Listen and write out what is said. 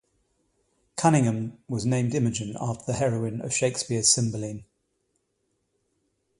Cunningham was named Imogen after the heroine of Shakespeare's Cymbeline.